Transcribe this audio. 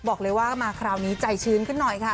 บอกเลยว่ามาคราวนี้ใจชื้นขึ้นหน่อยค่ะ